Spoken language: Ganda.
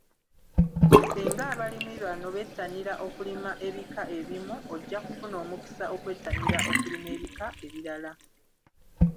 Singa abalimi bano bettanira okulima ebika ebimu, ojja kufuna omukisa okwettanira okulima ebika ebirala.